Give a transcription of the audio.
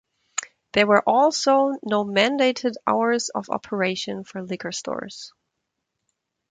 There were also no mandated hours of operation for liquor stores.